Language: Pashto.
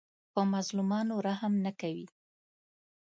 په مظلومانو رحم نه کوي